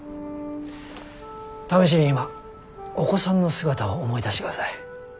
試しに今お子さんの姿を思い出してください。